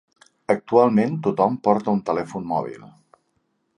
Actualment tothom porta un telèfon mòbil